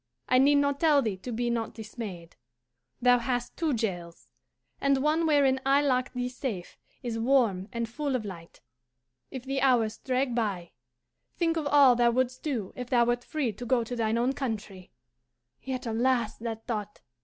I need not tell thee to be not dismayed. Thou hast two jails, and one wherein I lock thee safe is warm and full of light. If the hours drag by, think of all thou wouldst do if thou wert free to go to thine own country yet alas that thought!